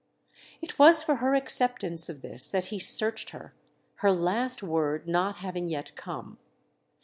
It was for her acceptance of this that he searched her, her last word not having yet come.